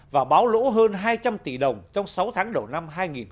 và báo lỗ hơn hai trăm linh tỷ đồng trong sáu tháng đầu năm hai nghìn một mươi sáu